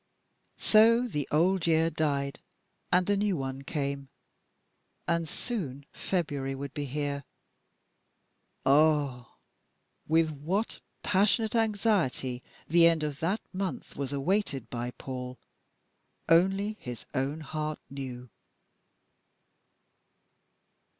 So the old year died, and the new one came and soon February would be here. Ah! with what passionate anxiety the end of that month was awaited by Paul, only his own heart knew.